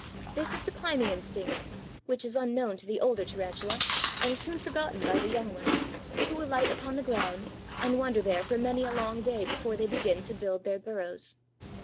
This is the climbing instinct, which is unknown to the older Tarantula and soon forgotten by the young ones, who alight upon the ground and wander there for many a long day before they begin to build their burrows.